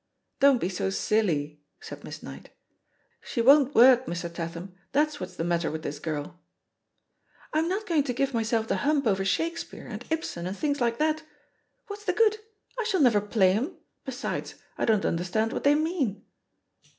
*T)qn't be so silly," said Miss Knight "She :won't work, Mr. Tatham, that's what's the mat ter with this girl." "I'm not going to give myself the hump over Shakespeare, and Ibsen, and things like that. 66 THE POSITION OF PEGGY HARPEB What's the good? I shall never play 'em I Be sides, I don't understand what they mean."